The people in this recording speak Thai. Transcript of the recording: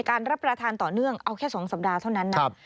รับประทานต่อเนื่องเอาแค่๒สัปดาห์เท่านั้นนะ